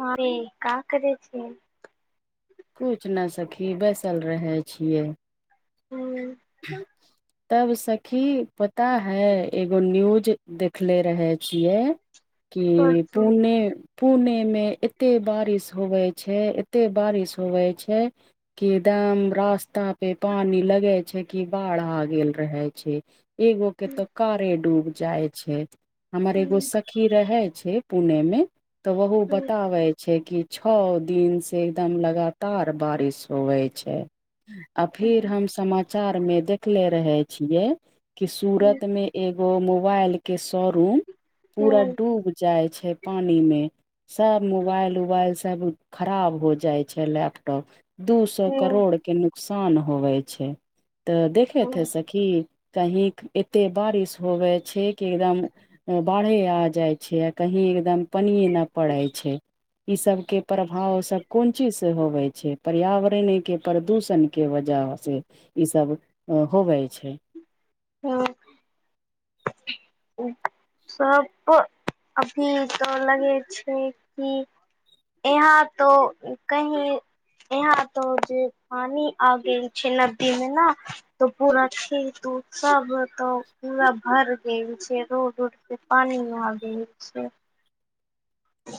हाँयै का करै छियै कुछ न सखी बैसल रहेै छियै हूँ [unintelligible] तब सखी पता है एगो न्यूज देखले रहेै छियै की पुणे पुणेमे एते बारिश होवे छै एते बारिश होवे छै की एकदम रास्तापे पानी लगै छै की बाढ़ आ गेल रहै छै एगोके तो कारे डूब जाय छै हमर एगो सखी रहै छै पुणेमे तऽ ओह बताबै छै कि छओ दिनसे एकदम लगातार बारिश होवे छै आ फिर हम समाचारमे देखले रहै छियै कि सूरतमे एगो मोबाइल के शोरूम पूरा डूब जाइ छै पानीमे सब मोबाइल उबाइल सब खराब हो जाइ छै लैपटॉप दू सौ करोड़ के नुकसान होवै छै तऽ देखे थे सखी कहींक एते बारिश होवे छै कि एकदम बाढ़े आ जाइ छै आ कही एकदम पनियें न पड़ै छै इ सब के प्रभाव सब कोन चीज से होवै छै पर्यावरण के प्रदूषण के वजह से ई सब होवै छै हँ सप अभी तऽ लगे छै कि यहाँ तो कहीं यहाँ तो जे पानी आ गेल छै नदी मे न तऽ पूरा खेत उत सब तो पूरा भर गेल छै रोड उड पे पानी आ गेल छै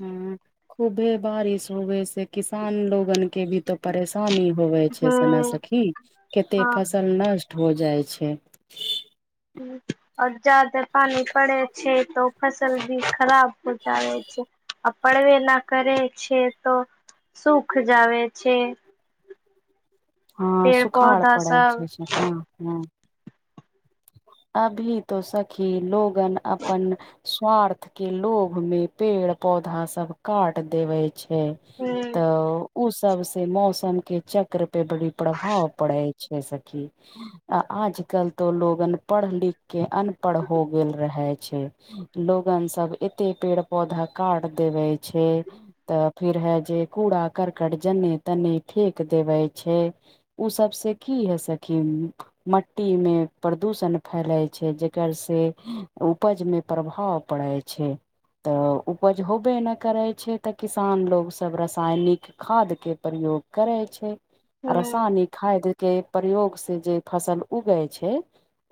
हुँ खूभे बारिश हुए से किसान लोगन के भी तो परेशानी होवे छै सना हूं सखी केते हँ फसल नष्ट हो जाइ छै आओर जादाे पानी पड़े छै तो फसल भी खराब हो जाय छै आ परवे न करै छै तो सुख जावे छै हँ पेड़ सुखाड़ पौधा पड़े सब छै हँ हँ अभी तो सखी लोगन अपन स्वार्थ के लोभ मे पेड़ पौधा सब काट देबे छै हूँ तऽ ओ सब से मौसम के चक्र पे बड़ी प्रभाव पड़ै छै सखी आज कल तो लोक पढ़ लिख के अनपढ़ हो गेल रहै छै लोगन सब एते पेड़ पौधा काट देवै छै तऽ फिर हे जे कूड़ा करकट जन्ने तन्ने फेक देवै छै ओ सबसँ की हइ सखी मट्टीमे प्रदूषण फैलै छै जकर से उपजमे प्रभाव पड़ै छै तऽ उपज होबे नय करै छै तऽ किसान लोग सब रासायनिक खादके प्रयोग करै छै आ हूँ रसानिक खादके प्रयोग से जे फसल उगै छै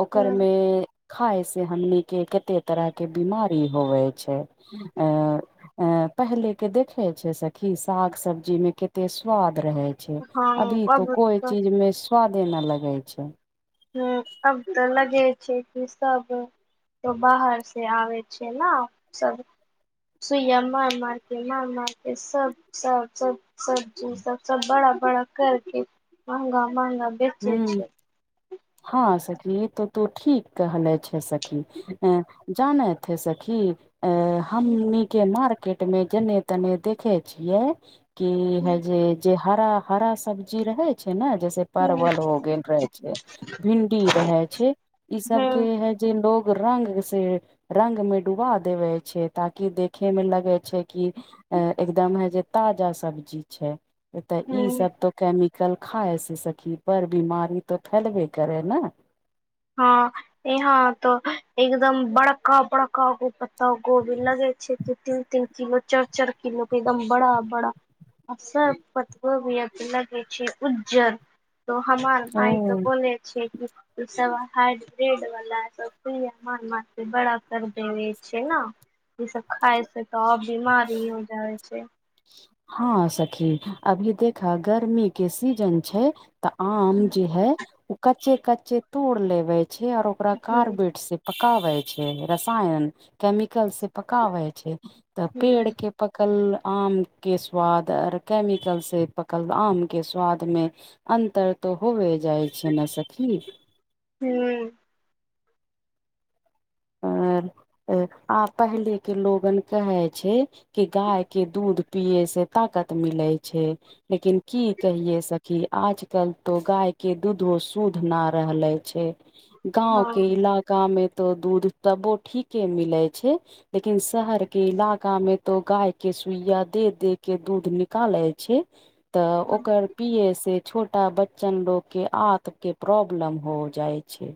ओकर हूँ मे खाय से हमनी के केते तरह के बिमारी होवै छै ए ए पहिले के देखे छै सखी साग सब्जी मे केते स्वाद रहेै हँ अभी तो अब कोई तऽ चीज मे स्वादे न लगै छै हुँ अब तऽ लगे छै कि सब तो बाहर से आबै छै ने सब सुइया मार मारके मार मारके सब सब सब सब्जी सब सब बड़ा बड़ा करके महंगा महंगा बेचे हुँ छै हँ सखी ई तऽ तू ठीक कहले छै सखी अ जानैथ हय सखी अ हूँ हमनी के मार्केट मे जेने तेने देखे छियै कि हे हूँ जे जे हरा हरा सब्जी रहै छै ने जैसे हूँ परवल हो गेल रहै छै भिंडी रहै छै ई सब के हूं हे जे लोग रंग से रंग मे डुबा देवे छै ताकि देखे मे लगै छै कि एकदमे जे ताजा सब्जी छै नय तऽ ई हूं सब तो केमिकल खाइ से सखी बड़ बिमारी तऽ फैलबे करे ने हँ यहाँ तऽ एकदम बड़क्का बड़क्का गो पत्ता गोभी लगे छैय तीन तीन [unintelligible] चर चर किलो के एकदम बड़ा बड़ा अ पतवो वियत लगै छै उज्जर त हमर माय तऽ ओ बोलै छै कि ई सब हाइडब्रिड वाल सब सुझ्या मार मार के बड़ा कर देवे छै ने ई सब खाय छै तऽ ओर बीमार हो जाइ छै हँ सखी अभी देख गर्मी के सीजन छैइ तऽ आम जे है ऊ कच्चे कच्चे तोड़ लेवे छै और ओकरा हूं कार्बेट से पकाबै छैय रसायन केमिकल से पकाबै छैय तऽ पेड़ हूं के पकल आम के स्वाद आर कैमिकल से पकल आम के स्वाद में अन्तर तऽ होबे जाइ छै ने सखी हूँ आर आऽ पहिले के लोगन कहे छैय कि गाय के दूध पिये से ताकत मिले छैइ लेकिन की कहिेयै स कि आइ काइल तऽ गाय के दूधो शुध ना रहले छैय गांव हँ के इलाका में तऽ दूध तबो ठीके मिले छैय लेकिन शहर के इलाका में तऽ गाय के सुइया दे दे कऽ दूध निकले कालेय छैइ तऽ ओकर पीए से छोटा बच्चा लोगन के आत के प्रॉब्लम भऽ जाय छैय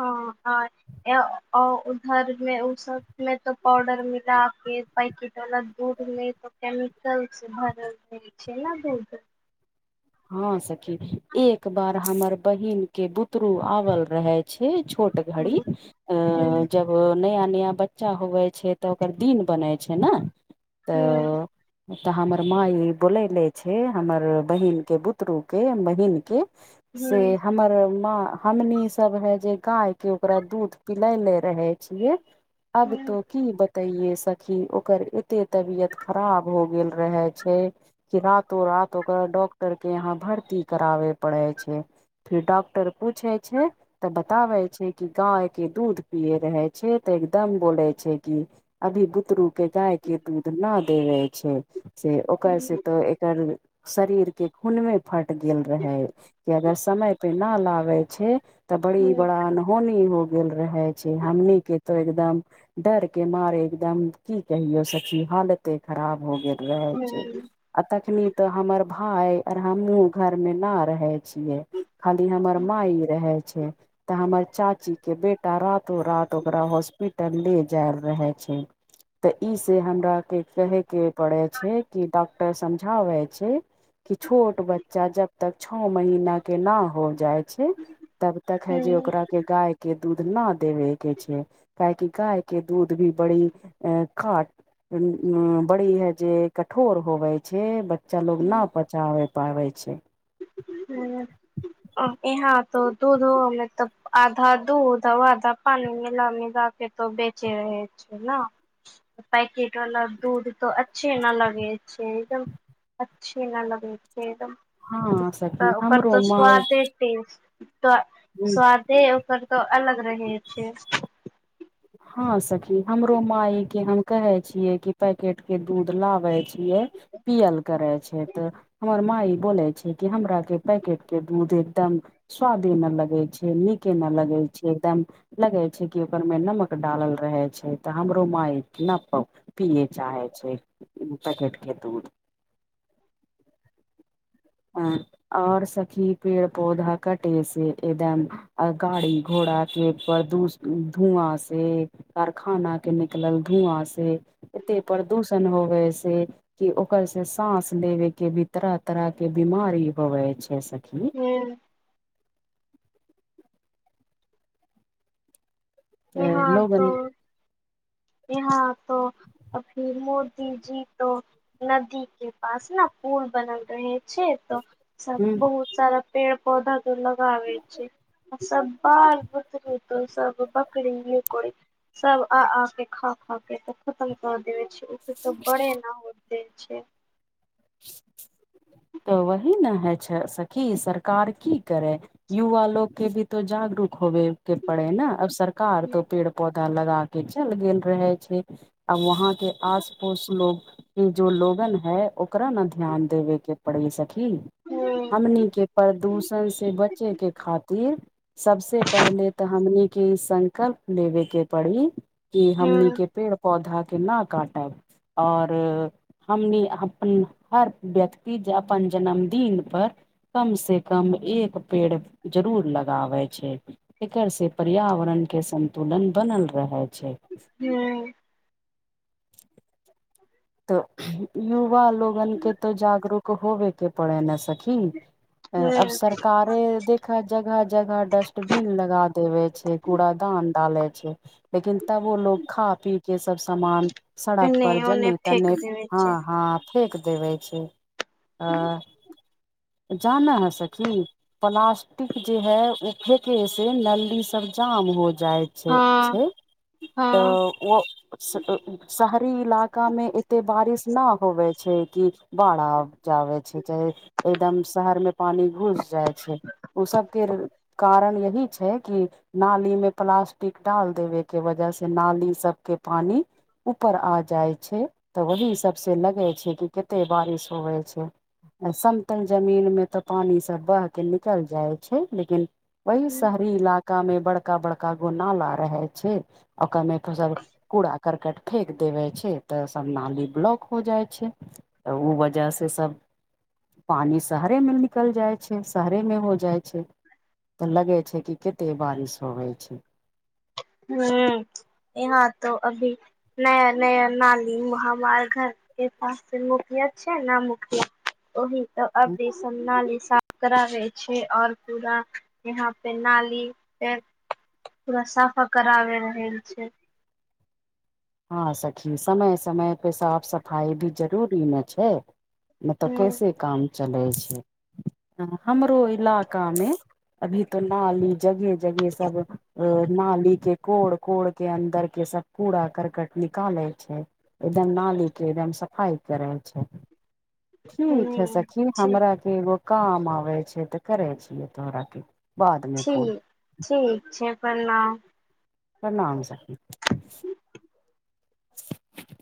हँ हा ए ओ उधहर मे उ सब मे तऽ पाउडर मिला कऽ पैकेट बला दूधमे तऽ केमिकल से भरल रहै छैय ना दूध हँं सखी एक बार हमर बहिन के बुतरू आएल रहे छोट ट घड़ी हूं अ हूं जब नया नया बच्चा होैय छैय तऽ ओकर दिन होइ छैय नऽ हूं तऽ त हमर माई बैलेले छैय हमर बहिन के बुतरू के बहिन के से हूं हमर माँ हमनी सभे जे गाय के ओकरा दूध पिलेले रहे छिय अब हूं तो की बतेइये सखी ओकर एते तबियत खराब भऽ गेल रहे छैय कि रातो रात ओकर डॉक्टर के यहाँ भर्ती कराबै पड़ै छैय फेर डॉक्टर पूछे छैय तऽ बताबै छैय कि गाय के दूध पिये रहे छै तऽ एकदम बोले छैय कि अभी बुतरु के गाय के दूध ना दैबे छैय से ओइ सऽ हूं तऽ एकर शरीर के खूने फैइट गेल रहै अगर समय पे ना लाबै छैय तऽ बड़ी बड़ा अनहोनी हो गेल रहै छै हमनिके तऽ एकदम डर के मारे एकदम की कहियो सखी हाल खराब भऽ गेल रहे छैय आ तखनी तऽ हमर भाय आर हमहूँ घर मे ना रहै छिय खाली हमर माइ रहै छैय तऽ हमर चाची के बेटा रातो रात ओकरा हॉस्पिटल ले जाएल रहे छै तऽ ई से हमरा के कहे के पड़ेय छै कि डॉक्टर समझाबै छैय कि छोट बच्चा जब तक छओ महीना के ना हो जाए छैय तब तक है जे हूं ओकरा के गाय के दूध ना देबै के छैय काहेकि गाय के दूध भी बड़ी ऐय खाट बड़ी हे जे कठोर होवे छै बच्च लोग न पचाबे पाबै छै हँआ यहाँ तऽ दूधो आधा दूध वा आध पानी मिला मिला के तो बेचे रहै छै ने पैकिट वाला दूध तऽ अच्छे न लगै छै एकदम अच्छे न लगै छै एकदम हँ सखी तऽ ओकर हमरो तऽ माय स्वादे स्वादे ओकर तऽ अलग रहै छै हँ सखी हमरो माय के हम कहे छीयै कि पैकेट के दूध लाबे छियै पीयल करै छै तऽ हमर माइ बोले छै कि हमरा के पैकेट के दूध एकदम स्वादे ना लगै छै नीके न लगै छै एकदम लगै छै कि आकरमे नमक डालल रहै छै तऽ हमरो मााय न प पिये चाहे छै उ पैकेट के दूध हँ आओर सखी पेड़ पौधा कटे से एदम अ गाड़ी घोड़ा के परदूस धुआँ से कारखाना के निकलल धुआँ से एते प्रदूषण होवे से कि ओकर से साँस लेबे के भी तरह तरह के के बीमारी होवै छै सखी हूँ अ, इहाँ लोगन तऽ इहाँ तो अभी मोदी जी तो नदी के पास न पूल बनल रहै छै तऽ सब हूँ बहुत सारा पेड़ पौधा तऽ लगाबै छै ओ सब बाल बुतरू तो सब बच् करे को सब आ आ के खा खा के खतम कर देबै छै ओकर तऽ बड़े न होते छै तऽ वही ने हय छै सखी सरकार की करै युवा लोक के भी तो जागरूक होबे के पड़े न अब सरकार तो पेड़ पौधा लगा के चल गेल रहै छै आ वहाँ के आस पोस लोग के जो लोगन है ओकरा न ध्यान देबे के पड़ी सखी ह हमनी के प्रदूषण से बचे के खातिर सबसे पहले तऽ हमनी के संकल्प लेबे के पड़ी कि हमनी ह के पेड़ पौधा के न काटब आओर हमनी हुँ हर व्यक्ति जे अपन जन्मदिन पर कम से कम एक पेड़ जरूर लगाबै छै एकर से पर्यावरण के संतुलन बनल रहै छै हूँ तऽ युवा लोगन के तऽ जागरूक होबेके पड़ै न सखी अब ह सरकारे देख जगह जगह डस्टबिन लगा देवे छै कूड़ दान डालै छै लेकिन तब ओ लोग खा पी के सब समान सड़क एने पर ओने जन्ने फेेक तन्ने देवे हँ छै हँ फेक देबै छै अ जानऽ ह सखी प्लास्टिक जे हय उ फेके से नली सब जाम हो जाइ छै हँ छै हँ तऽ ओ शहरी इलाकामे एते बारिश ना होवे छै कि बाढ़ि आब जावे छै चाहे एकदम शहर मे पानी घुस जाइ छै ओ सबकेर कारण यही छै कि नाली मे प्लास्टिक डाल देबे के वजह से नाली सबके पानी ऊपर आ जाइ छै तऽ वही सबस लगै छै कि कते बारिश होवे छै समतल जमीन मे तऽ पानी सब बहके निकल जाइ छै लेकिन वहीं शहरी इलाका में बड़का बड़का गो नाला रहे छै आ ओकर मे तऽ सब कूड़ा करकट फेेक देबे छै तऽ सब नाली ब्लॉक हो जाइ छै तऽ ऊ वजह से सब पानी शहरे मे निकल जाइ छै शहरे मे हो जाय छै तऽ लगे छै कि कते बारिश होवे छैय हु यहाँ तो अभी नया नया नाली में हमार घर ऐे पास से [unintelligible] छै न मुखिया ओहि त सब नाली साफ कराबै छै और पूरा यहाँ पे नाली पूरा साफा कराबे रहल छैय हँ सखी समय समय पे साफ सफाइ भी जरूरी ने छैय नत हूँ कैसे काम चलै छै हमरो इलाका में अभी तो नाली जगहे जगहे सब अ नाली के कोड़ कोड़ के अन्दर के सब कूड़ा कर क्ट निकाले छै एकदम नाली के एकदम सफाई करे छै ठीक है हूँ सखि ठीक हमरा एगो काम आबै छै तऽ करै छियै तोरा ठीक ठीक छै प्रणाम प्रणाम सखि [inaudible] [inaudible]